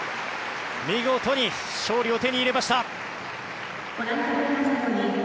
見事に勝利を手に入れました。